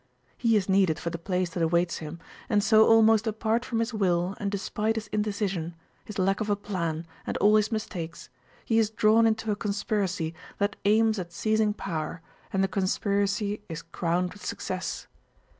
He is needed for the place that awaits him, and so almost apart from his will and despite his indecision, his lack of a plan, and all his mistakes, he is drawn into a conspiracy that aims at seizing power and the conspiracy is crowned with success.